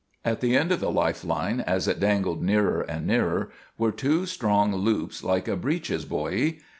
At the end of the life line, as it dangled nearer and nearer, were two strong loops like a breeches buoy.